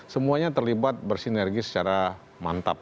semuanya terlibat bersinergi secara mantap